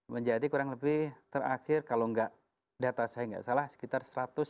menjadi kurang lebih terakhir kalau enggak data saya nggak salah sekitar satu ratus lima puluh